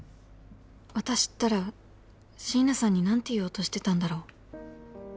私ったらシイナさんに何て言おうとしてたんだろう